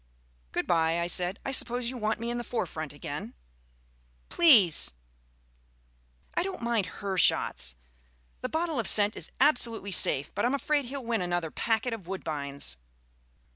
"Good bye," I said; "I suppose you want me in the forefront again?" "Please." "I don't mind her shots the bottle of scent is absolutely safe; but I'm afraid he'll win another packet of woodbines."